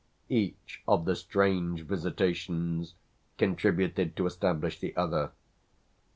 Each of the strange visitations contributed to establish the other.